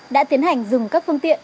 đã tiến hành dừng các phương tiện